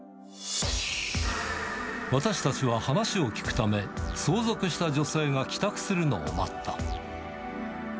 私たちは話を聞くため、相続した女性が帰宅するのを待った。